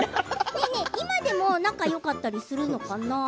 今でも仲よかったりするのかな？